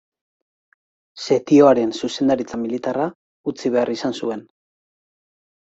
Setioaren zuzendaritza militarra utzi behar izan zuen.